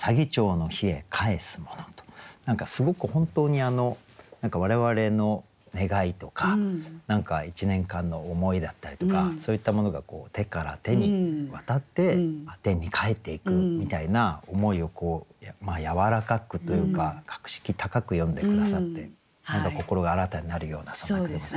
何かすごく本当に我々の願いとか１年間の思いだったりとかそういったものが手から手に渡って天に還っていくみたいな思いをやわらかくというか格式高く詠んで下さって何か心が新たになるようなそんな句でございました。